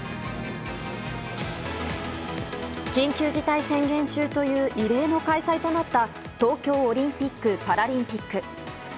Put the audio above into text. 緊急事態宣言中という異例の開催となった東京オリンピック・パラリンピック。